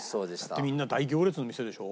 だってみんな大行列の店でしょ？